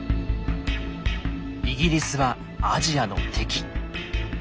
「イギリスはアジアの敵」。